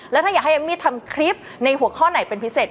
แล้วถ้าอยากให้เอมมี่ทำคลิปในหัวข้อไหนเป็นพิเศษ